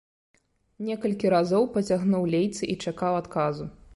Некалькі разоў пацягнуў лейцы і чакаў адказу.